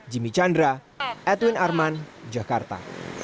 jimmy chandra edwin arman jakarta